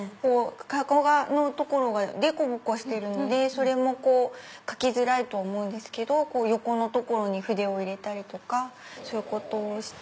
籠の所がでこぼこしてるので描きづらいと思うんですけど横の所に筆を入れたりとかそういうことをして。